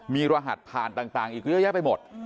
มีรหัสผ่านต่างอีกเยอะแยะไปหมด